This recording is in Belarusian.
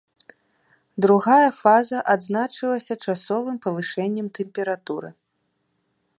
Другая фаза адзначылася часовым павышэннем тэмпературы.